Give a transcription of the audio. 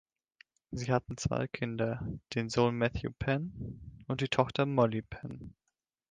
Sie hatten zwei Kinder, den Sohn Metthew Penn und die Tochter Molly Penn.